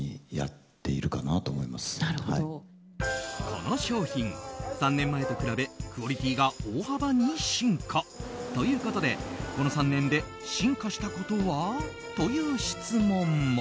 この商品、３年前と比べクオリティーが大幅に進化。ということで、この３年で進化したことは？という質問も。